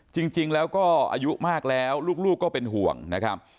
จริงแล้วก็อายุมากแล้วลูกก็เป็นห่วงนะครับ